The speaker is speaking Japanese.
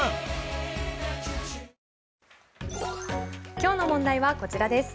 今日の問題はこちらです。